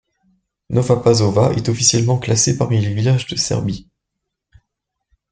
Nova Pazova est officiellement classée parmi les villages de Serbie.